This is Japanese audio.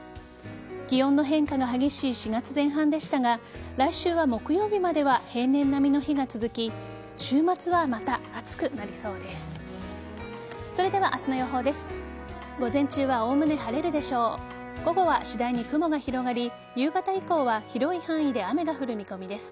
気温の変化が激しい４月前半でしたが来週は、木曜日までは平年並みの日が続き週末は、また暑くなりそうです。